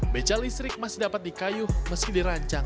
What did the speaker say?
becak listrik masih dapat dikayuh meski dirancang